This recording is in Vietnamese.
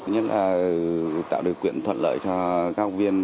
nhất là tạo được quyền thuận lợi cho các học viên